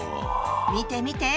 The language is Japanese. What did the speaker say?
見て見て！